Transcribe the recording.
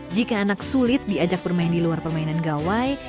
jika anak sulit diajak bermain di luar permainan gawai